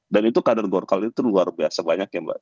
dan itu kader golkar itu luar biasa banyak ya mbak